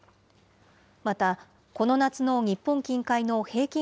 また、この夏の日本近海の平均